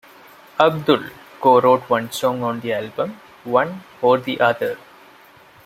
Abdul co-wrote one song on the album, "One or the Other".